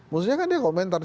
maksudnya kan dia komentar